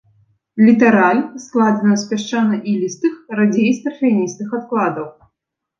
Літараль складзена з пясчана-ілістых, радзей з тарфяністых адкладаў.